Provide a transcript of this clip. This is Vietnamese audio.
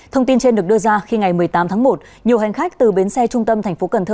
thông tin trên được đưa ra khi ngày một mươi tám tháng một nhiều hành khách từ bến xe trung tâm tp cn